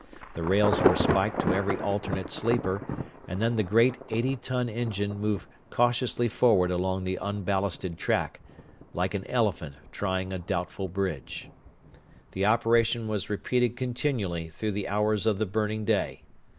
The rails were spiked to every alternate sleeper, and then the great 80 ton engine moved cautiously forward along the unballasted track, like an elephant trying a doubtful bridge. The operation was repeated continually through the hours of the burning day.